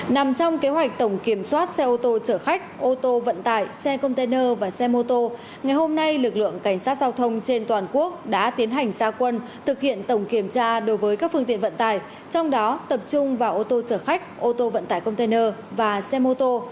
nằm trong kế hoạch tổng kiểm soát xe ô tô chở khách ô tô vận tải xe container và xe mô tô ngày hôm nay lực lượng cảnh sát giao thông trên toàn quốc đã tiến hành gia quân thực hiện tổng kiểm tra đối với các phương tiện vận tải trong đó tập trung vào ô tô chở khách ô tô vận tải container và xe mô tô